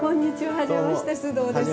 はじめまして須藤です。